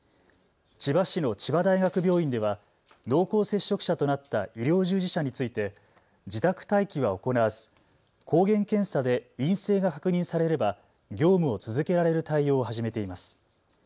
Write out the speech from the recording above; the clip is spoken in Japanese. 千葉市の千葉大学病院では濃厚接触者となった医療従事者について自宅待機は行わず抗原検査で陰性が確認されれば業務を続けられる対応を始めています。